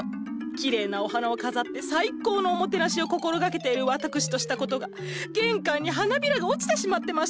きれいなお花を飾って最高のおもてなしを心がけている私としたことが玄関に花びらが落ちてしまってましたの。